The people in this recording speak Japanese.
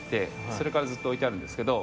それからずっと置いてあるんですけど。